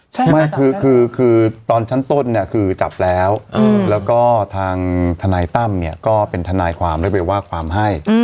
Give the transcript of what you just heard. ใช่ไม่คือตอนชั้นต้นเนี่ยคือจับแล้วแล้วก็ทางทนายตั้มเนี่ยก็เป็นทนายความได้ไปว่าความให้